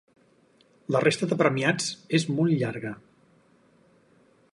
La resta de premiats és molt llarga.